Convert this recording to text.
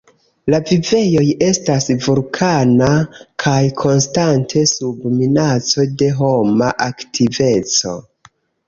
La vivejoj estas vulkana kaj konstante sub minaco de homa aktiveco.